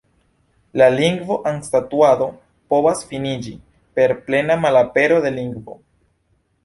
La lingvo-anstaŭado povas finiĝi per plena malapero de lingvo.